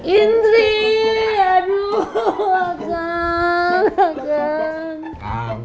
indri aduh akan akan